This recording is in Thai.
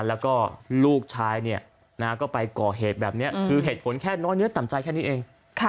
แล้วก็ลูกชายก็ไปก่อเหตุแบบนี้คือเหตุผลแค่น้อยเนื้อต่ำใจแค่นี้เอง